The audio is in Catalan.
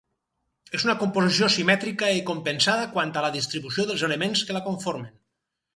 És una composició simètrica i compensada quant a la distribució dels elements que la conformen.